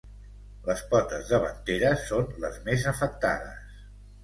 Les potes davanteres són les més afectades.